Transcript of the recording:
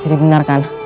jadi benar kan